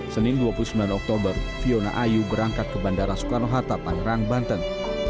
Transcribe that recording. senin dua puluh sembilan oktober fiona ayu berangkat ke bandara soekarno hatta tangerang banten